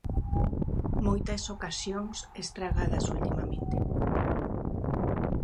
Moitas ocasións estragadas ultimamente.